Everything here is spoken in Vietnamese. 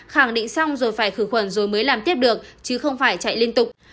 khẳng định xong rồi phải khử khuẩn rồi mới làm tiếp được chứ không phải chạy liên tục